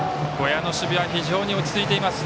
呉屋の守備は非常に落ち着いています。